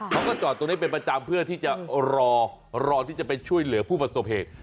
เขาก็จอดตรงนี้เป็นประจำเพื่อที่จะรอรอที่จะไปช่วยเหลือผู้ประสบเหตุ